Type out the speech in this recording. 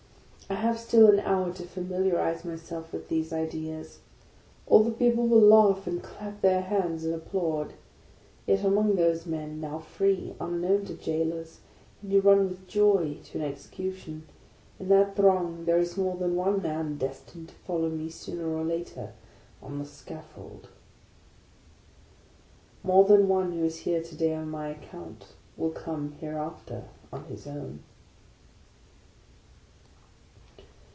I have still an hour to familiarize myself with these ideas. All the people will laugh and clap their hands, and applaud ; y'et among those men, now free, unknown to jailors, and who run with joy to an execution, — in that throng there is more than one man destined to follow me sooner or later, on the scaffold. More than one who is here to day on my account, will come hereafter on his own.